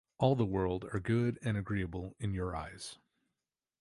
All the world are good and agreeable in your eyes.